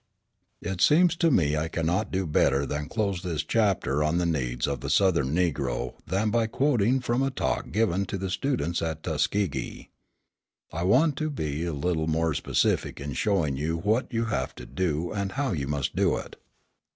It seems to me I cannot do better than to close this chapter on the needs of the Southern Negro than by quoting from a talk given to the students at Tuskegee: "I want to be a little more specific in showing you what you have to do and how you must do it.